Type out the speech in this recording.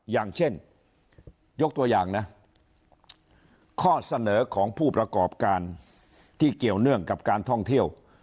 อย่างเช่นยกตัวอย่างนะข้อเสนอของผู้ประกอบการที่เกี่ยวเนื่องกับการท่องเที่ยว